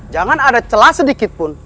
jangan ada celah sedikit pun